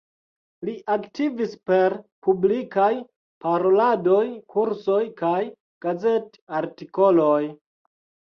Li aktivis per publikaj paroladoj, kursoj kaj gazet-artikoloj.